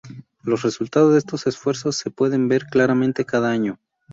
Los resultados de estos esfuerzos se puede ver claramente cada año.